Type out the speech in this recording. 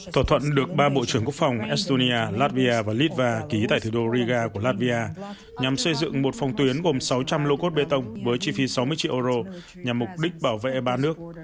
thỏa thuận được ba bộ trưởng quốc phòng estonia latvia và litva ký tại thủ đô riga của latvia nhằm xây dựng một phòng tuyến gồm sáu trăm linh lô cốt bê tông với chi phí sáu mươi triệu euro nhằm mục đích bảo vệ ba nước